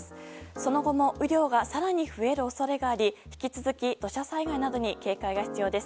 その後も雨量が更に増える恐れがあり引き続き、土砂災害などに警戒が必要です。